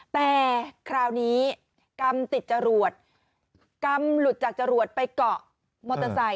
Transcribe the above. แต่คราวนี้กรรมติดจรวดกรรมหลุดจากจรวดไปเกาะมอเตอร์ไซค